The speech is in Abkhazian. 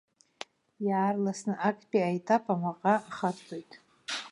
Иаарласны актәи аетап амаҟа ахарҵоит.